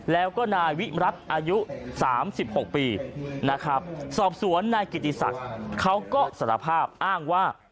แล้วก็นายวิรัติอายุ๓๖ปีนะครับสอบสวนนายกิติศักดิ์เขาก็สารภาพอ้างว่า